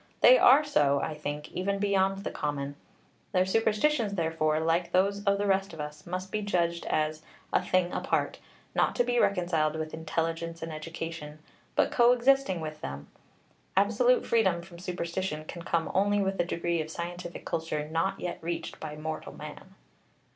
They are so, I think, even beyond the common. Their superstitions, therefore, like those of the rest of us, must be judged as 'a thing apart,' not to be reconciled with intelligence and education, but co existing with them. Absolute freedom from superstition can come only with a degree of scientific culture not yet reached by mortal man.